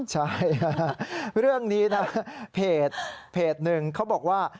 ใช่เรื่องนี้นะเพจหนึ่งเขาบอกว่า